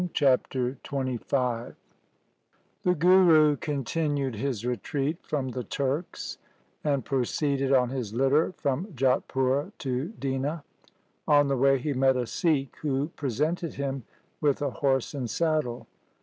Chapter XXV The Guru continued his retreat from the Turks, and proceeded on his litter from Jatpura to Dina. On the way he met a Sikh who presented him with a horse and saddle.